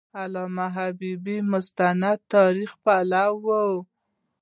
علامه حبیبي د مستند تاریخ پلوی و.